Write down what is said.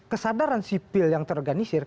kesadaran sipil yang terorganisir